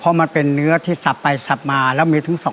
เพราะมันเป็นเนื้อที่สับไปสับมาแล้วมีถึงสอง